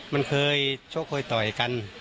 มันเคยชกเคยต่อยกัน